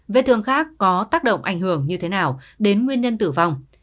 vết thương khác có tác động ảnh hưởng như thế nào đến nguyên nhân tử vong